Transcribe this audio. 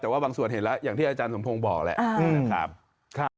แต่ว่าบางส่วนเห็นแล้วอย่างที่อาจารย์สมพงศ์บอกแหละนะครับ